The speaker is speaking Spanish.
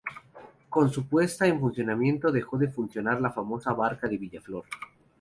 Con su puesta en funcionamiento dejó de funcionar la famosa barca de Villaflor.